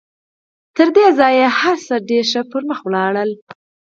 تر دې ځايه هر څه ډېر ښه پر مخ ولاړل.